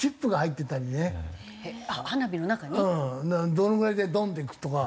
どのぐらいでドン！といくとか。